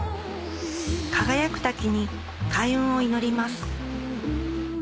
輝く滝に開運を祈ります